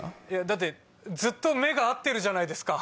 だってずっと目が合ってるじゃないですか。